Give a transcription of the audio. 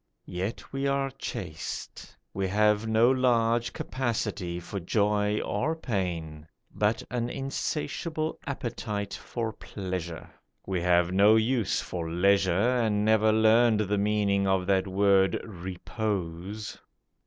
Yet we are chaste; We have no large capacity for joy or pain, But an insatiable appetite for pleasure. We have no use for leisure And never learned the meaning of that word 'repose.